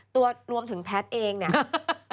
รวมถึงแพทย์เองเนี่ย